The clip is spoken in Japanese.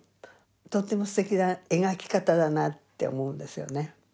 とてもすてきな描き方だなって思うんですよね。